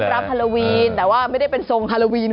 ฮาโลวีนแต่ว่าไม่ได้เป็นทรงฮาโลวีน